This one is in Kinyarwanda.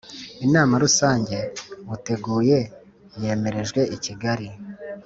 Inama Rusange buteguye yemerejwe i Kigali